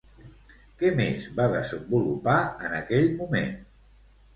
Què més va desenvolupar en aquell moment?